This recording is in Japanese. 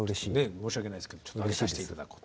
申し訳ないですけどちょっと挙げさせて頂こうと。